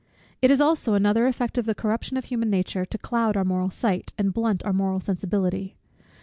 It is also another effect of the corruption of human nature, to cloud our moral sight, and blunt our moral sensibility.